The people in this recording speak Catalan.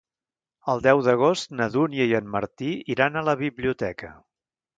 El deu d'agost na Dúnia i en Martí iran a la biblioteca.